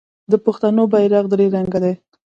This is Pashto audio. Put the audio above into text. د پښتنو بیرغ درې رنګه دی.